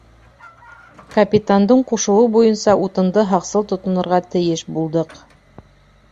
Капитандың ҡушыуы буйынса утынды һаҡсыл тотонорға тейеш булдыҡ.